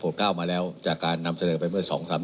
มาแล้วจากการนำเสนอไปเมื่อสองสาม